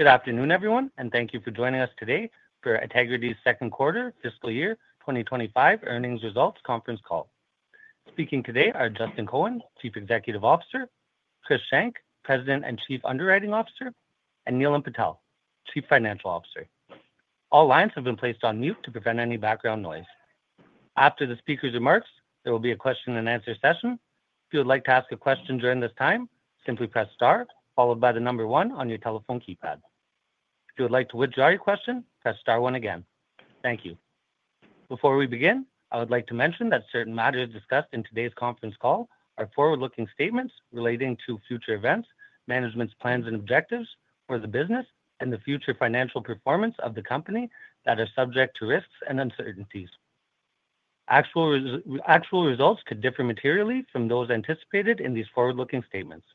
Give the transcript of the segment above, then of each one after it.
Good afternoon, everyone, and thank you for joining us today for Ategrity's Second Quarter, Fiscal Year 2025 Earnings Results Conference Call. Speaking today are Justin Cohen, Chief Executive Officer, Chris Schenk, President and Chief Underwriting Officer, and Neelam Patel, Chief Financial Officer. All lines have been placed on mute to prevent any background noise. After the speaker's remarks, there will be a question and answer session. If you would like to ask a question during this time, simply press star, followed by the number one on your telephone keypad. If you would like to withdraw your question, press star one again. Thank you. Before we begin, I would like to mention that certain matters discussed in today's Conference Call are forward-lookingstatements relating to future events, management's plans and objectives for the business, and the future financial performance of the company that are subject to risks and uncertainties. Actual results could differ materially from those anticipated in these forward-looking statements.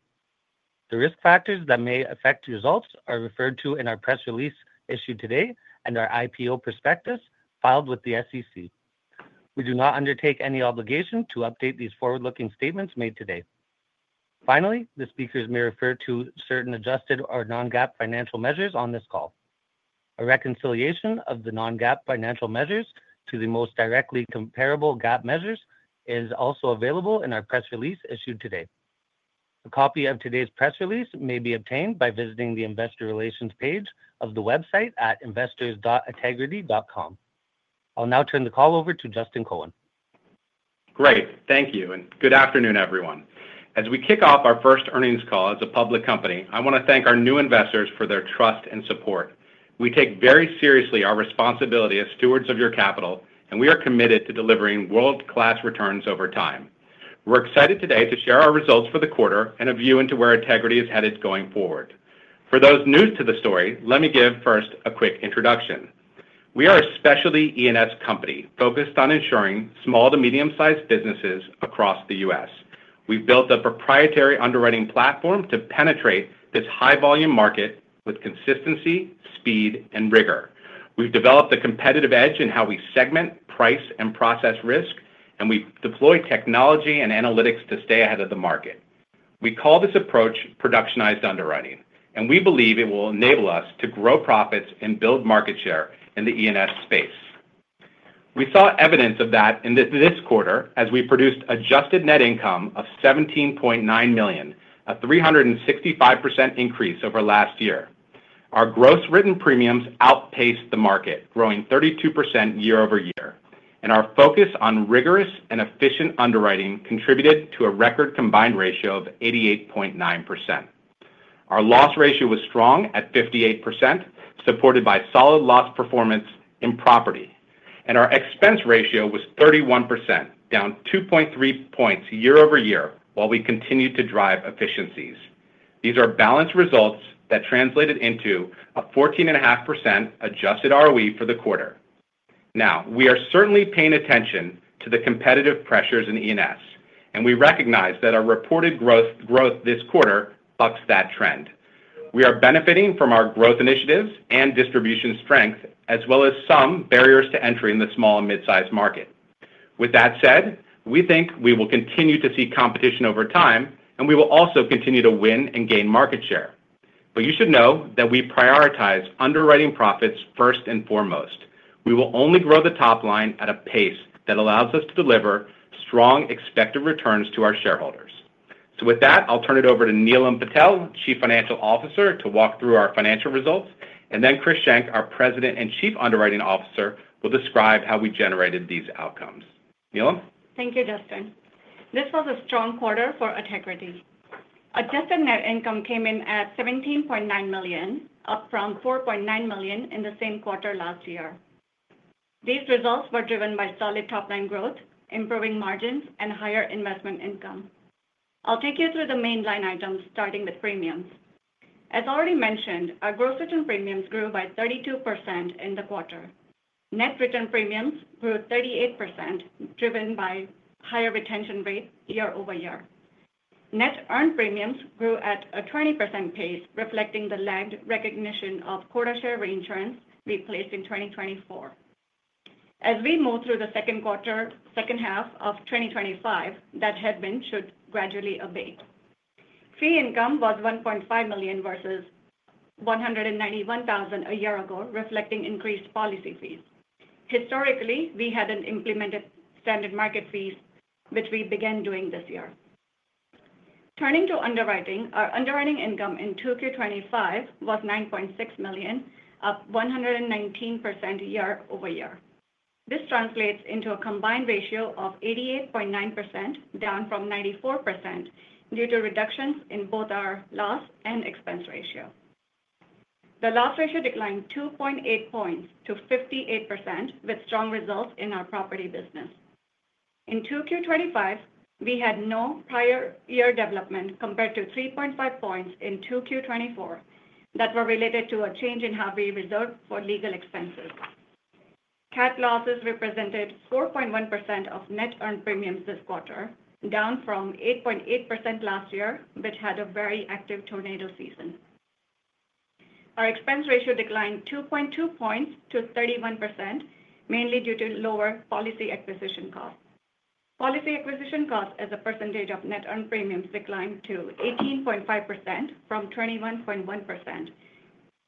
The risk factors that may affect results are referred to in our press release issued today and our IPO prospectus filed with the SEC. We do not undertake any obligation to update these forward-looking statements made today. Finally, the speakers may refer to certain adjusted or non-GAAP financial measures on this call. A reconciliation of the non-GAAP financial measures to the most directly comparable GAAP measures is also available in our press release issued today. A copy of today's press release may be obtained by visiting the investor relations page of the website at investors.ategrity.com. I'll now turn the call over to Justin Cohen. Great, thank you, and good afternoon, everyone. As we kick off our first Earnings Call as a public company, I want to thank our new investors for their trust and support. We take very seriously our responsibility as stewards of your capital, and we are committed to delivering world-class returns over time. We're excited today to share our results for the quarter and a view into where Ategrity is headed going forward. For those new to the story, let me give first a quick introduction. We are a specialty E&S company focused on insuring small to medium-sized businesses across the U.S. We've built a proprietary productionized underwriting platform to penetrate this high-volume market with consistency, speed, and rigor. We've developed a competitive edge in how we segment, price, and process risk, and we've deployed technology and analytics to stay ahead of the market. We call this approach productionized underwriting, and we believe it will enable us to grow profits and build market share in the E&S space. We saw evidence of that in this quarter as we produced a net income of $17.9 million, a 365% increase over last year. Our gross written premiums outpaced the market, growing 32% year-over-year, and our focus on rigorous and efficient underwriting contributed to a record combined ratio of 88.9%. Our loss ratio was strong at 58%, supported by solid loss performance in property, and our expense ratio was 31%, down 2.3 points year-over-year, while we continued to drive efficiencies. These are balanced results that translated into a 14.5% adjusted ROE for the quarter. We are certainly paying attention to the competitive pressures in E&S, and we recognize that our reported growth this quarter bucks that trend. We are benefiting from our growth initiatives and distribution strength, as well as some barriers to entry in the small and mid-sized market. We think we will continue to see competition over time, and we will also continue to win and gain market share. You should know that we prioritize underwriting profits first and foremost. We will only grow the top line at a pace that allows us to deliver strong expected returns to our shareholders. With that, I'll turn it over to Neelam Patel, Chief Financial Officer, to walk through our financial results, and then Chris Schenk, our President and Chief Underwriting Officer, will describe how we generated these outcomes. Neelam? Thank you, Justin. This was a strong quarter for Ategrity. Adjusted net income came in at $17.9 million, up from $4.9 million in the same quarter last year. These results were driven by solid top-line growth, improving margins, and higher investment income. I'll take you through the main line items, starting with premiums. As already mentioned, our gross written premiums grew by 32% in the quarter. Net written premiums grew 38%, driven by higher retention rates year-over-year. Net earned premiums grew at a 20% pace, reflecting the lagged recognition of quota share reinsurance we placed in 2024. As we move through the second quarter, second half of 2025, that headwind should gradually abate. Fee income was $1.5 million versus $191,000 a year ago, reflecting increased policy fees. Historically, we hadn't implemented standard market fees, which we began doing this year. Turning to underwriting, our underwriting income in Q2 2025 was $9.6 million, up 119% year-over-year. This translates into a combined ratio of 88.9%, down from 94% due to reductions in both our loss and expense ratio. The loss ratio declined 2.8 points to 58%, with strong results in our property business. In Q2 2025 we had no prior year development compared to 3.5 points in Q2 2024 that were related to a change in how we reserve for legal expenses. [CAT] losses represented 4.1% of net earned premiums this quarter, down from 8.8% last year, which had a very active tornado season. Our expense ratio declined 2.2 points to 31%, mainly due to lower policy acquisition costs. Policy acquisition costs as a percentage of net earned premiums declined to 18.5% from 21.1%,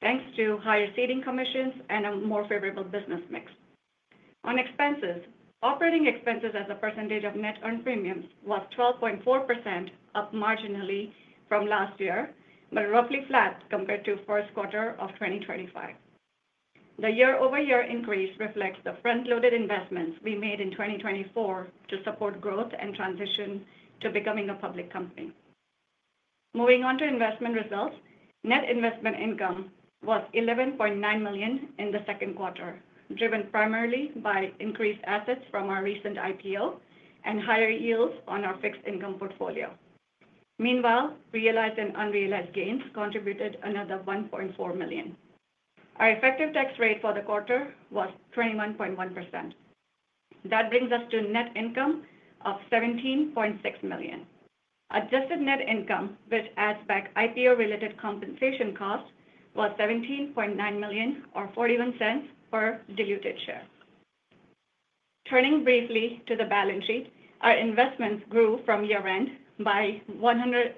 thanks to higher ceding commissions and a more favorable business mix. On expenses, operating expenses as a percentage of net earned premiums was 12.4%, up marginally from last year, but roughly flat compared to Q1 of 2025. The year-over-year increase reflects the front-loaded investments we made in 2024 to support growth and transition to becoming a public company. Moving on to investment results, net investment income was $11.9 million in the second quarter, driven primarily by increased assets from our recent IPO and higher yields on our fixed income portfolio. Meanwhile, realized and unrealized gains contributed another $1.4 million. Our effective tax rate for the quarter was 21.1%. That brings us to net income of $17.6 million. Adjusted net income, which adds back IPO-related compensation costs, was $17.9 million or $0.41 per diluted share. Turning briefly to the balance sheet, our investments grew from year-end by $180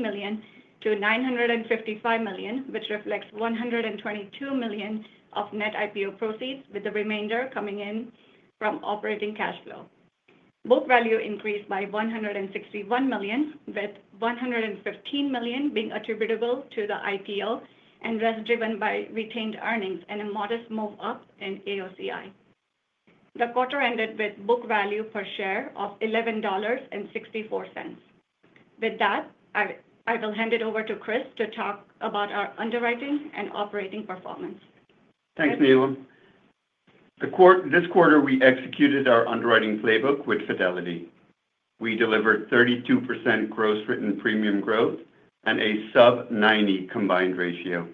million to $955 million, which reflects $122 million of net IPO proceeds, with the remainder coming in from operating cash flow. Book value increased by $161 million, with $115 million being attributable to the IPO and rest driven by retained earnings and a modest move up in AOCI. The quarter ended with book value per share of $11.64. With that, I will hand it over to Chris to talk about our underwriting and operating performance. Thanks, Neelam. This quarter we executed our underwriting playbook with Fidelity. We delivered 32% gross written premium growth and a [sub-ninety] combined ratio.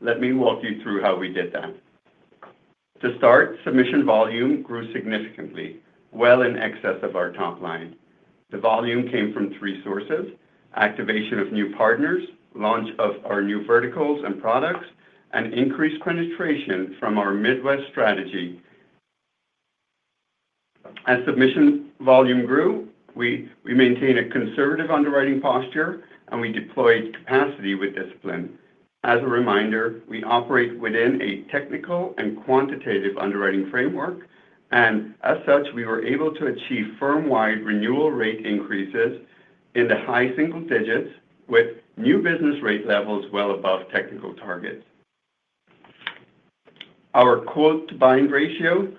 Let me walk you through how we did that. To start, submission volume grew significantly, well in excess of our top line. The volume came from three sources: activation of new partners, launch of our new verticals and products, and increased penetration from our Midwest strategy. As submission volume grew, we maintained a conservative underwriting posture and deployed capacity with discipline. As a reminder, we operate within a technical and quantitative underwriting framework, and as such, we were able to achieve firm-wide renewal rate increases in the high single digits, with new business rate levels well above technical targets. Our quote-to-bind ratio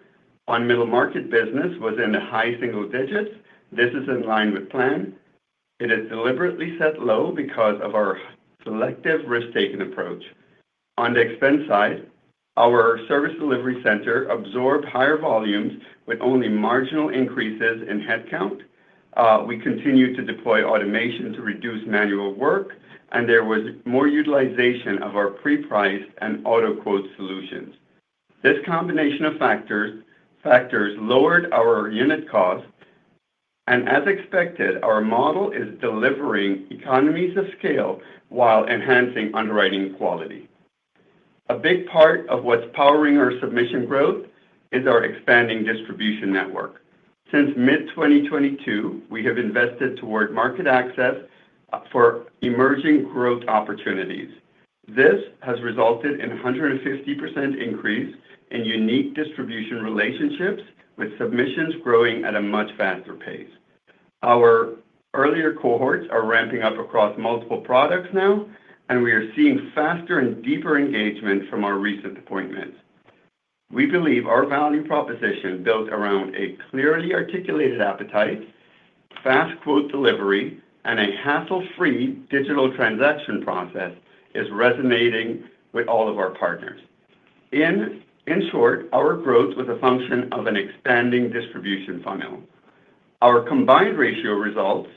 on middle market business was in the high single digits. This is in line with plan. It is deliberately set low because of our selective risk-taken approach. On the expense side, our service delivery center absorbed higher volumes with only marginal increases in headcount. We continued to deploy automation to reduce manual work, and there was more utilization of our pre-price and auto quote solutions. This combination of factors lowered our unit costs, and as expected, our model is delivering economies of scale while enhancing underwriting quality. A big part of what's powering our submission growth is our expanding distribution network. Since mid-2022, we have invested toward market access for emerging growth opportunities. This has resulted in a 150% increase in unique distribution relationships, with submissions growing at a much faster pace. Our earlier cohorts are ramping up across multiple products now, and we are seeing faster and deeper engagement from our recent appointments. We believe our value proposition, built around a clearly articulated appetite, fast quote delivery, and a hassle-free digital transaction process, is resonating with all of our partners. In short, our growth was a function of an expanding distribution funnel. Our combined ratio results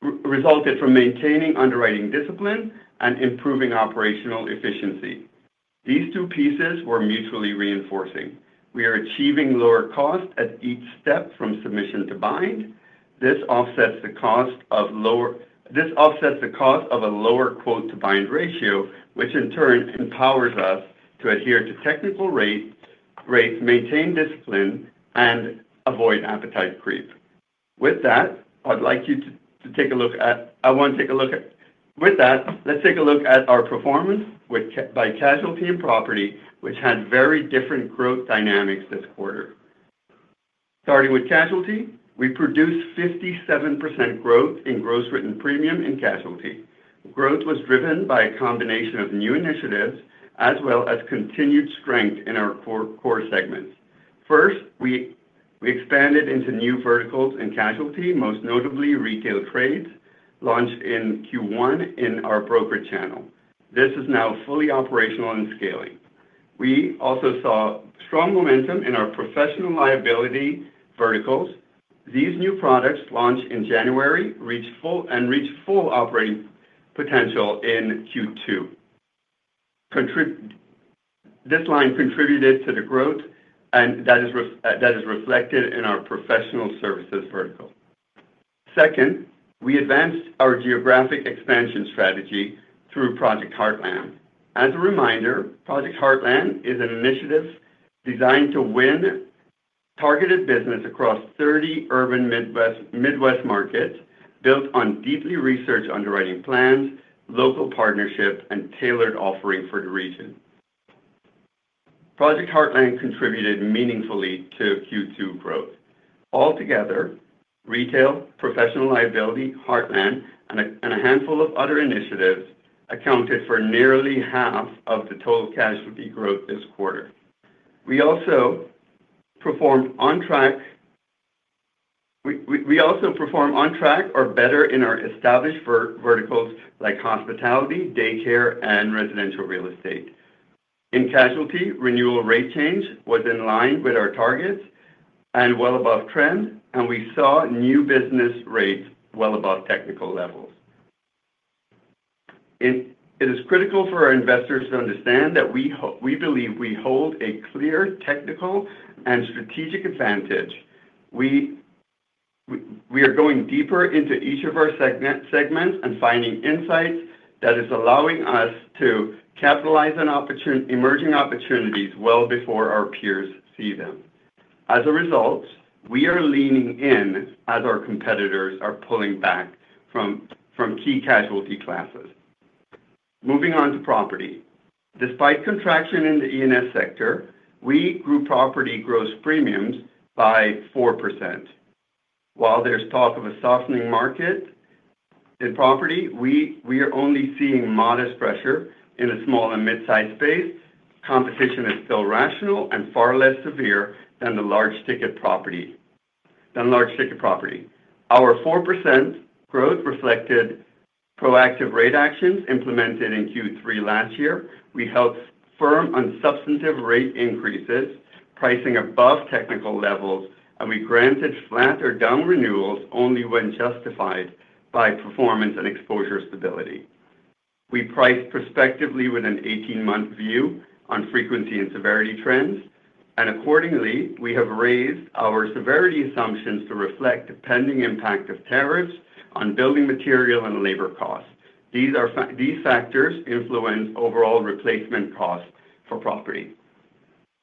resulted from maintaining underwriting discipline and improving operational efficiency. These two pieces were mutually reinforcing. We are achieving lower cost at each step from submission to bind. This offsets the cost of a lower quote-to-bind ratio, which in turn empowers us to adhere to technical rates, maintain discipline, and avoid appetite creep. Let's take a look at our performance by casualty and property, which had very different growth dynamics this quarter. Starting with casualty, we produced 57% growth in gross written premium in casualty. Growth was driven by a combination of new initiatives as well as continued strength in our core segments. First, we expanded into new verticals in casualty, most notably retail trades, launched in Q1 in our broker channel. This is now fully operational and scaling. We also saw strong momentum in our professional liability verticals. These new products launched in January reached full operating potential in Q2. This line contributed to the growth, and that is reflected in our professional services vertical. Second, we advanced our geographic expansion strategy through Project Heartland. As a reminder, Project Heartland is an initiative designed to win targeted business across 30 urban Midwest markets, built on deeply researched underwriting plans, local partnership, and tailored offering for the region. Project Heartland contributed meaningfully to Q2 growth. Altogether, retail, professional liability, Heartland, and a handful of other initiatives accounted for nearly half of the total casualty growth this quarter. We also performed on track, or better, in our established verticals like hospitality, daycare, and residential real estate. In casualty, renewal rate change was in line with our targets and well above trend, and we saw new business rates well above technical levels. It is critical for our investors to understand that we believe we hold a clear technical and strategic advantage. We are going deeper into each of our segments and finding insights that are allowing us to capitalize on emerging opportunities well before our peers see them. As a result, we are leaning in as our competitors are pulling back from key casualty classes. Moving on to property. Despite contraction in the E&S sector, we grew property gross premiums by 4%. While there's talk of a softening market in property, we are only seeing modest pressure in a small and mid-sized space. Competition is still rational and far less severe than the large ticket property. Our 4% growth reflected proactive rate actions implemented in Q3 last year. We held firm on substantive rate increases, pricing above technical levels, and we granted flat or down renewals only when justified by performance and exposure stability. We priced prospectively with an 18-month view on frequency and severity trends, and accordingly, we have raised our severity assumptions to reflect the pending impact of tariffs on building material and labor costs. These factors influence overall replacement costs for property.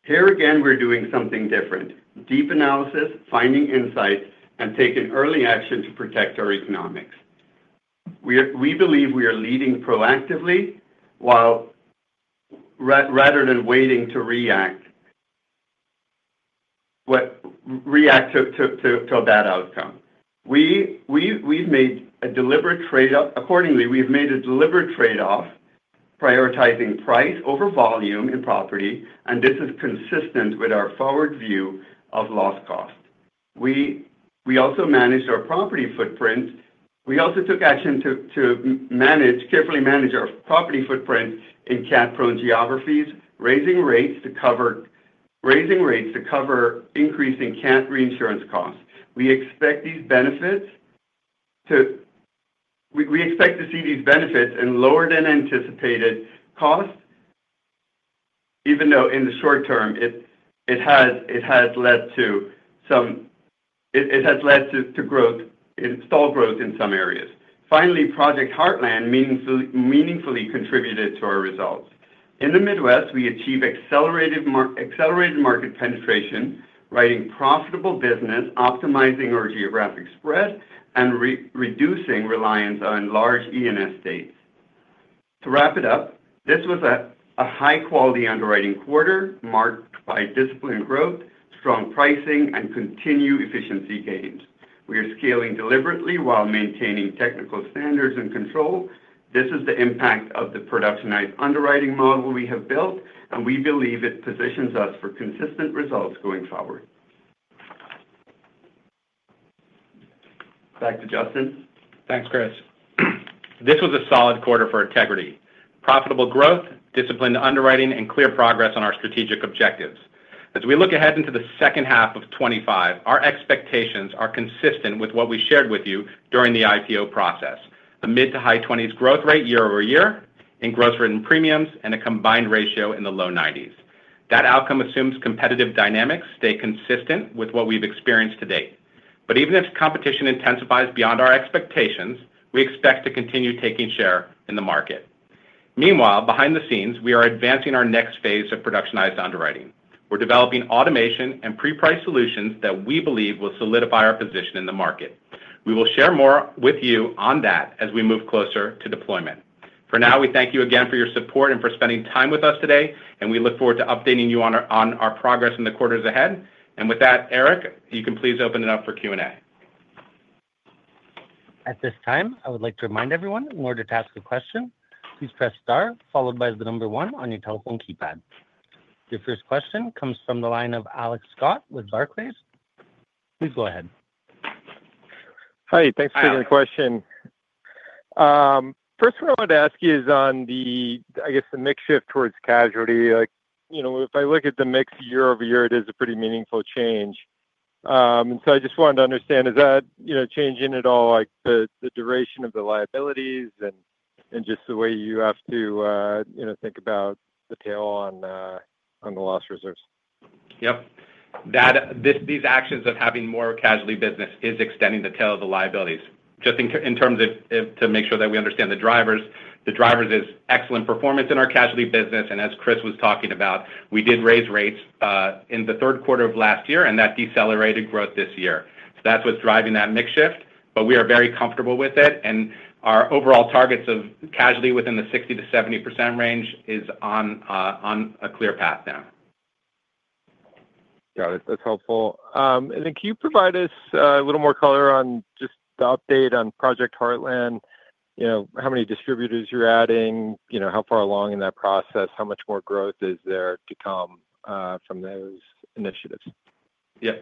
Here again, we're doing something different: deep analysis, finding insights, and taking early action to protect our economics. We believe we are leading proactively rather than waiting to react to a bad outcome. We've made a deliberate trade-off. Accordingly, we've made a deliberate trade-off prioritizing price over volume in property, and this is consistent with our forward view of loss cost. We also took action to carefully manage our property footprint in CAT-prone geographies, raising rates to cover increasing CAT reinsurance costs. We expect to see these benefits in lower than anticipated costs, even though in the short term, it has led to stall growth in some areas. Finally, Project Heartland meaningfully contributed to our results. In the Midwest, we achieved accelerated market penetration, writing profitable business, optimizing our geographic spread, and reducing reliance on large E&S states. To wrap it up, this was a high-quality underwriting quarter marked by disciplined growth, strong pricing, and continued efficiency gains. We are scaling deliberately while maintaining technical standards and control. This is the impact of the productionized underwriting model we have built, and we believe it positions us for consistent results going forward. Back to Justin. Thanks, Chris. This was a solid quarter for Ategrity. Profitable growth, disciplined underwriting, and clear progress on our strategic objectives. As we look ahead into the second half of 2025, our expectations are consistent with what we shared with you during the IPO process: a mid to high 20s growth rate year over year, in gross written premiums, and a combined ratio in the low 90s. That outcome assumes competitive dynamics stay consistent with what we've experienced to date. Even if competition intensifies beyond our expectations, we expect to continue taking share in the market. Meanwhile, behind the scenes, we are advancing our next phase of productionized underwriting. We're developing automation and pre-price solutions that we believe will solidify our position in the market. We will share more with you on that as we move closer to deployment. For now, we thank you again for your support and for spending time with us today, and we look forward to updating you on our progress in the quarters ahead. Eric, you can please open it up for Q&A. At this time, I would like to remind everyone, in order to ask a question, please press star, followed by the number one on your telephone keypad. Your first question comes from the line of Alex Scott with Barclays. Please go ahead. Hi, thanks for the question. First, what I wanted to ask you is on the mix shift towards casualty. If I look at the mix year-over-year, it is a pretty meaningful change. I just wanted to understand, is that changing at all the duration of the liabilities and the way you have to think about the tail on the loss reserves? These actions of having more casualty business are extending the tail of the liabilities. Just to make sure that we understand the drivers, the drivers are excellent performance in our casualty business. As Chris was talking about, we did raise rates in the third quarter of last year, and that decelerated growth this year. That is what's driving that mix shift, but we are very comfortable with it. Our overall targets of casualty within the 60%-70% range are on a clear path now. Got it. That's helpful. Can you provide us a little more color on just the update on Project Heartland? You know, how many distributors you're adding, how far along in that process, how much more growth is there to come from those initiatives? Yes.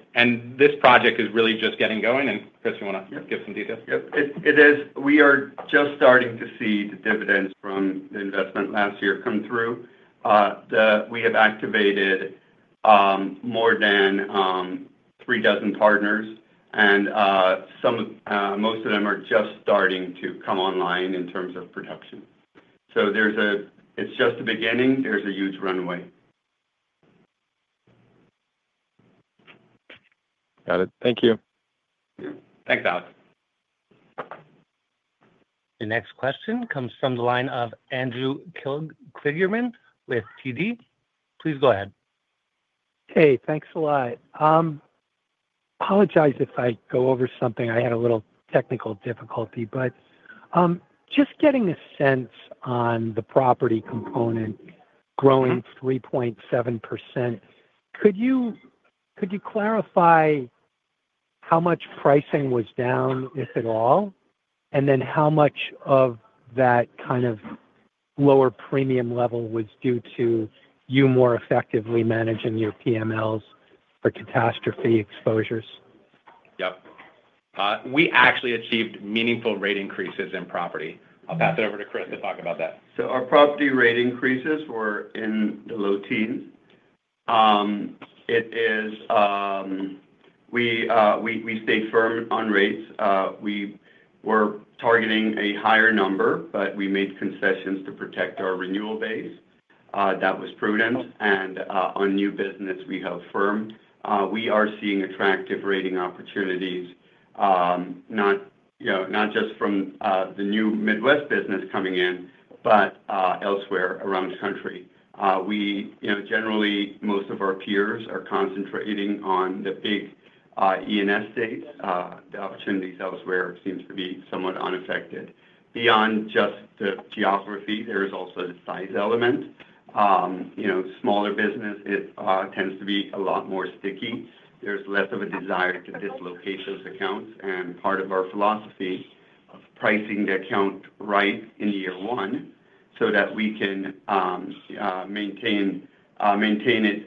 This project is really just getting going, and Chris, you want to give some details? Yes, it is. We are just starting to see the dividends from the investment last year come through. We have activated more than three dozen partners, and most of them are just starting to come online in terms of production. It is just the beginning. There is a huge runway. Got it. Thank you. Thanks, Alex. The next question comes from the line of Andrew Kligerman with TD. Please go ahead. Hey, thanks a lot. Apologize if I go over something. I had a little technical difficulty, but just getting a sense on the property component growing 3.7%. Could you clarify how much pricing was down, if at all, and then how much of that kind of lower premium level was due to you more effectively managing your PMLs or catastrophe exposures? Yep. We actually achieved meaningful rate increases in property. I'll pass it over to Chris to talk about that. Our property rate increases were in the low teens. We stayed firm on rates. We were targeting a higher number, but we made concessions to protect our renewal base. That was prudent. On new business, we held firm. We are seeing attractive rating opportunities, not just from the new Midwest business coming in, but elsewhere around the country. Generally, most of our peers are concentrating on the big E&S state. The opportunities elsewhere seem to be somewhat unaffected. Beyond just the geography, there is also the size element. Smaller business tends to be a lot more sticky. There's less of a desire to dislocate those accounts. Part of our philosophy is pricing the account right in year one so that we can maintain it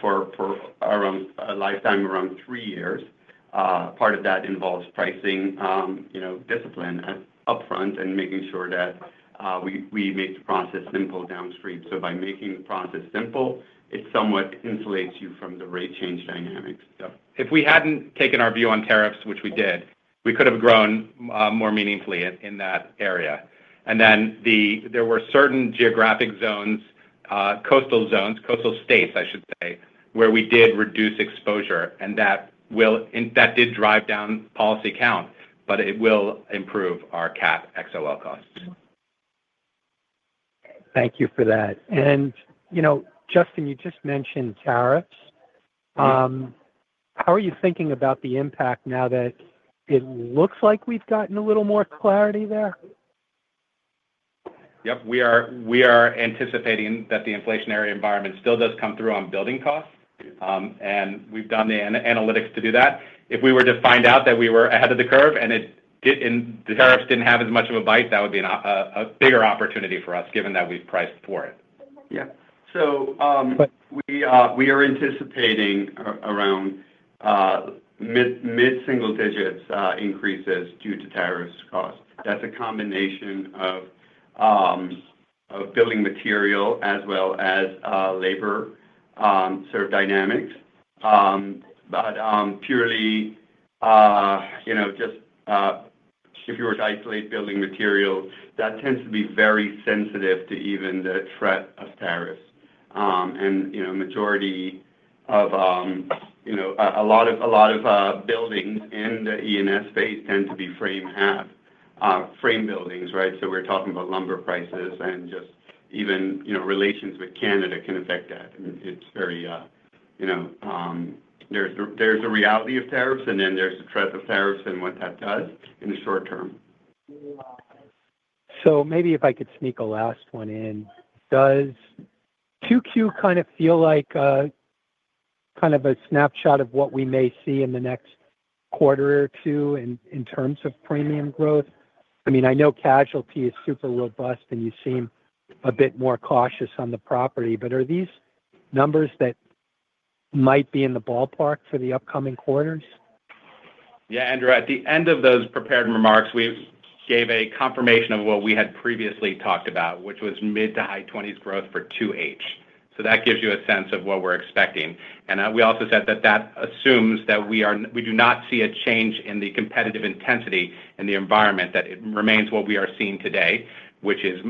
for a lifetime around three years. Part of that involves pricing discipline upfront and making sure that we make the process simple downstream. By making the process simple, it somewhat insulates you from the rate change dynamics. If we hadn't taken our view on tariffs, which we did, we could have grown more meaningfully in that area. There were certain geographic zones, coastal zones, coastal states, I should say, where we did reduce exposure, and that did drive down policy count, but it will improve our catastrophe exposure [XOL] costs. Thank you for that. Justin, you just mentioned tariffs. How are you thinking about the impact now that it looks like we've gotten a little more clarity there? We are anticipating that the inflationary environment still does come through on building costs. We've done the analytics to do that. If we were to find out that we were ahead of the curve and the tariffs didn't have as much of a bite, that would be a bigger opportunity for us, given that we've priced for it. Yeah. We are anticipating around mid-single-digit increases due to tariffs costs. That's a combination of building material as well as labor dynamics. If you were to isolate building material, that tends to be very sensitive to even the threat of tariffs. A majority of a lot of buildings in the E&S space tend to be frame buildings, right? We're talking about lumber prices, and even relations with Canada can affect that. There's a reality of tariffs, and then there's a threat of tariffs and what that does in the short-term. Maybe if I could sneak a last one in, does Q2 kind of feel like a kind of a snapshot of what we may see in the next quarter or two in terms of premium growth? I mean, I know casualty is super robust, and you seem a bit more cautious on the property, but are these numbers that might be in the ballpark for the upcoming quarters? Yeah, Andrew. At the end of those prepared remarks, we gave a confirmation of what we had previously talked about, which was mid to high 20s% growth for 2H. That gives you a sense of what we're expecting. We also said that assumes we do not see a change in the competitive intensity in the environment, that it remains what we are seeing today, which is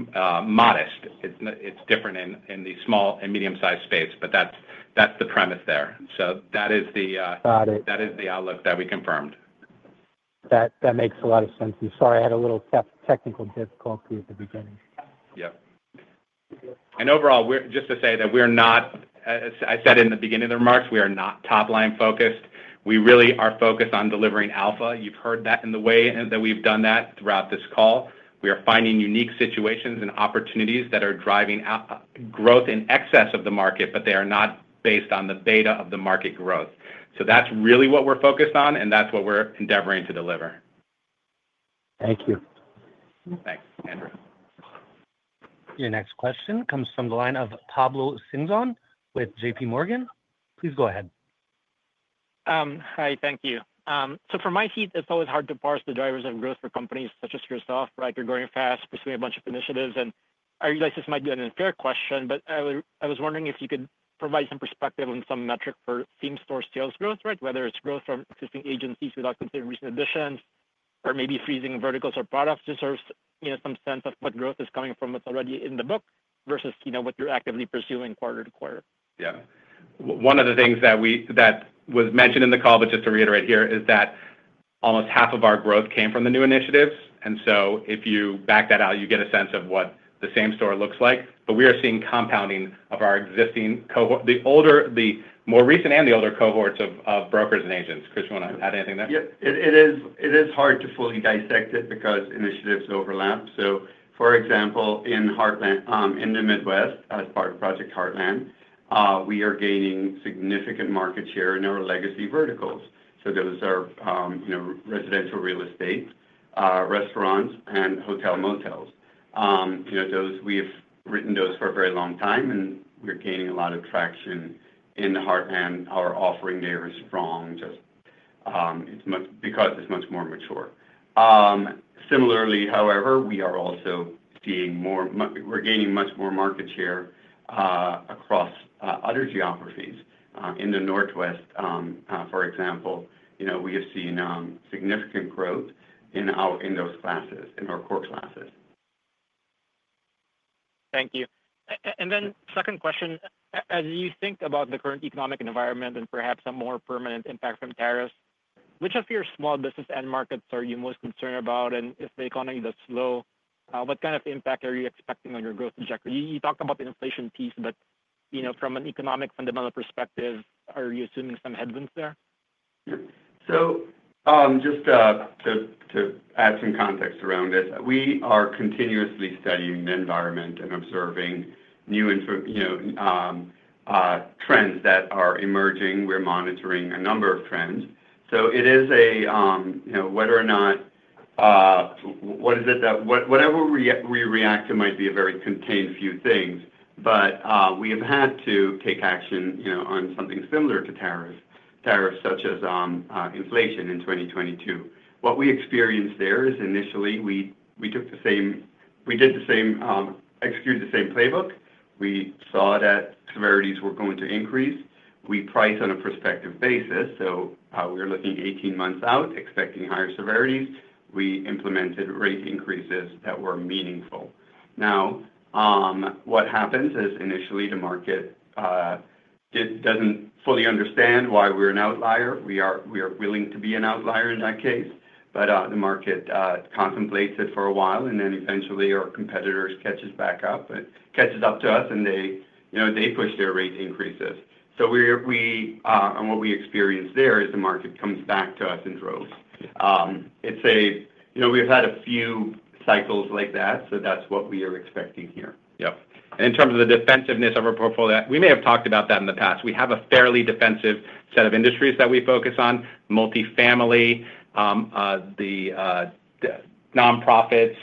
modest. It's different in the small and medium-sized space, but that's the premise there. That is the outlook that we confirmed. That makes a lot of sense. Sorry, I had a little technical difficulty at the beginning. Overall, just to say that we're not, as I said in the beginning of the remarks, we are not top-line focused. We really are focused on delivering alpha. You've heard that in the way that we've done that throughout this call. We are finding unique situations and opportunities that are driving growth in excess of the market, but they are not based on the beta of the market growth. That's really what we're focused on, and that's what we're endeavoring to deliver. Thank you. Thanks, Andrew. Your next question comes from the line of Pablo Singzon with JPMorgan. Please go ahead. Hi, thank you. From my seat, it's always hard to parse the drivers of growth for companies such as yourself, right? You're growing fast, pursuing a bunch of initiatives, and I realize this might be an unfair question, but I was wondering if you could provide some perspective on some metric for same-store sales growth, right? Whether it's growth from existing agencies without considering recent additions, or maybe freezing verticals or products to serve, you know, some sense of what growth is coming from what's already in the book versus what you're actively pursuing quarter to quarter. Yeah. One of the things that was mentioned in the call, just to reiterate here, is that almost half of our growth came from the new initiatives. If you back that out, you get a sense of what the same store looks like. We are seeing compounding of our existing cohort, the more recent and the older cohorts of brokers and agents. Chris, you want to add anything there? Yeah, it is hard to fully dissect it because initiatives overlap. For example, in the Midwest, as part of Project Heartland, we are gaining significant market share in our legacy verticals. Those are, you know, residential real estate, restaurants, and hotel motels. We've written those for a very long time, and we're gaining a lot of traction in the Heartland. Our offering there is strong. It's much because it's much more mature. Similarly, however, we are also seeing more, we're gaining much more market share across other geographies. In the Northwest, for example, we have seen significant growth in those classes, in our core classes. Thank you. Second question, as you think about the current economic environment and perhaps some more permanent impact from tariffs, which of your small business end markets are you most concerned about? If the economy does slow, what kind of impact are you expecting on your growth trajectory? You talked about the inflation piece, but from an economic fundamental perspective, are you assuming some headwinds there? Sure. Just to add some context around this, we are continuously studying the environment and observing new trends that are emerging. We're monitoring a number of trends. Whether or not what we react to might be a very contained few things, we have had to take action on something similar to tariffs, such as inflation in 2022. What we experienced there is initially we executed the same playbook. We saw that severities were going to increase. We priced on a prospective basis, looking 18 months out, expecting higher severities. We implemented rate increases that were meaningful. What happens is initially the market doesn't fully understand why we're an outlier. We are willing to be an outlier in that case, but the market contemplates it for a while, and eventually our competitors catch up to us and they push their rate increases. What we experienced there is the market comes back to us in droves. We've had a few cycles like that, so that's what we are expecting here. In terms of the defensiveness of our portfolio, we may have talked about that in the past. We have a fairly defensive set of industries that we focus on: multifamily, the nonprofits,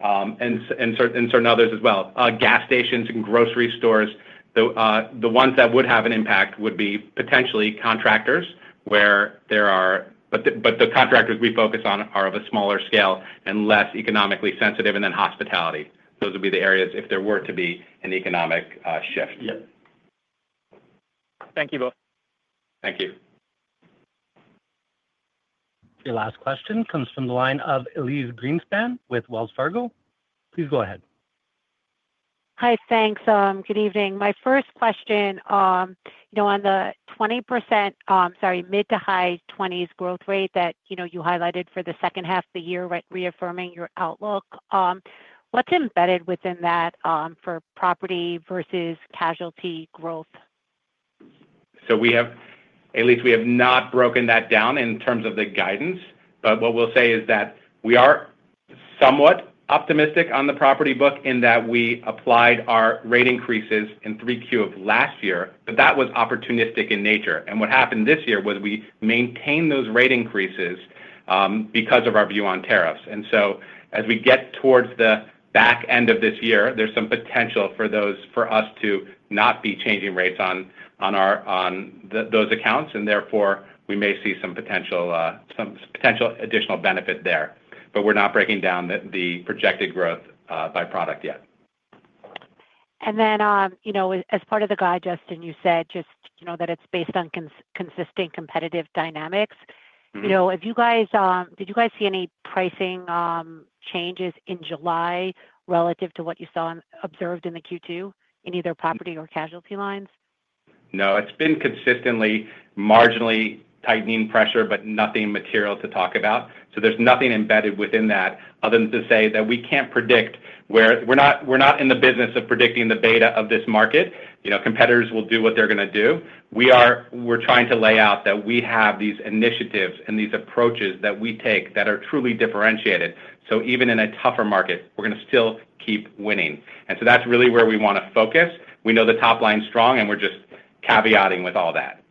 and certain others as well, gas stations and grocery stores. The ones that would have an impact would be potentially contractors, where there are, but the contractors we focus on are of a smaller scale and less economically sensitive, and then hospitality. Those would be the areas if there were to be an economic shift. Thank you both. Thank you. Your last question comes from the line of Elyse Greenspan with Wells Fargo. Please go ahead. Hi, thanks. Good evening. My first question, on the 20%, sorry, mid to high 20% growth rate that you highlighted for the second half of the year, reaffirming your outlook, what's embedded within that for property versus casualty growth? We have not broken that down in terms of the guidance, but what we'll say is that we are somewhat optimistic on the property book in that we applied our rate increases in 3Q of last year. That was opportunistic in nature. What happened this year was we maintained those rate increases because of our view on tariffs. As we get towards the back end of this year, there's some potential for us to not be changing rates on those accounts, and therefore we may see some potential additional benefit there. We're not breaking down the projected growth by product yet. As part of the guide, Justin, you said that it's based on consistent competitive dynamics. Did you guys see any pricing changes in July relative to what you observed in Q2 in either property or casualty lines? No, it's been consistently marginally tightening pressure, but nothing material to talk about. There's nothing embedded within that other than to say that we can't predict where we're not in the business of predicting the beta of this market. Competitors will do what they're going to do. We're trying to lay out that we have these initiatives and these approaches that we take that are truly differentiated. Even in a tougher market, we're going to still keep winning. That's really where we want to focus. We know the top line's strong, and we're just caveating with all that.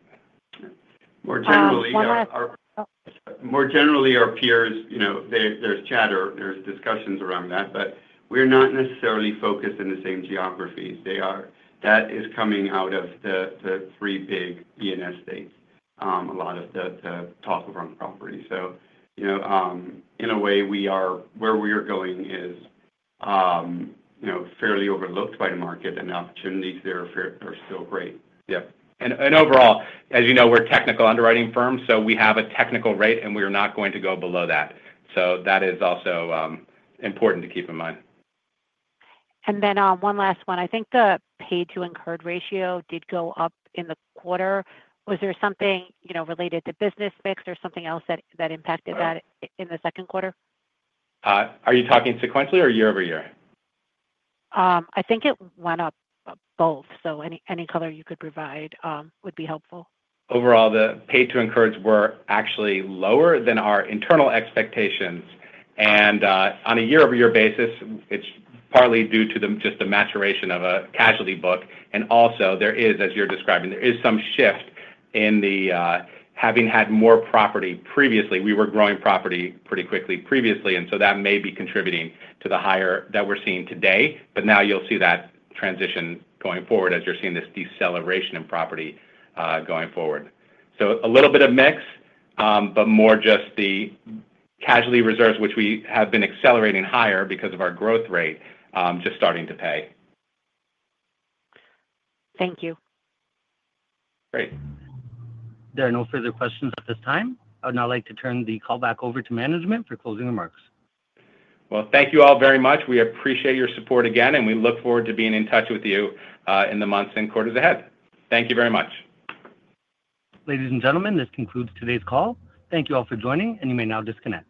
More generally, our peers, you know, there's chatter, there's discussions around that, but we're not necessarily focused in the same geographies. That is coming out of the three big E&S states, a lot of the top of our property. In a way, where we are going is fairly overlooked by the market, and the opportunities there are still great. Yes. Overall, as you know, we're a technical underwriting firm, so we have a technical rate, and we are not going to go below that. That is also important to keep in mind. I think the pay-to-incurred ratio did go up in the quarter. Was there something related to business mix or something else that impacted that in the second quarter? Are you talking sequentially or year-over-year? I think it went up both, so any color you could provide would be helpful. Overall, the pay-to-incurred were actually lower than our internal expectations. On a year-over-year basis, it's partly due to just the maturation of a casualty book. There is, as you're describing, some shift in having had more property previously. We were growing property pretty quickly previously, and that may be contributing to the higher that we're seeing today. You will see that transition going forward as you're seeing this deceleration in property going forward. A little bit of mix, but more just the casualty reserves, which we have been accelerating higher because of our growth rate, just starting to pay. Thank you. Great. There are no further questions at this time. I would now like to turn the call back over to management for closing remarks. Thank you all very much. We appreciate your support again, and we look forward to being in touch with you in the months and quarters ahead. Thank you very much. Ladies and gentlemen, this concludes today's call. Thank you all for joining, and you may now disconnect.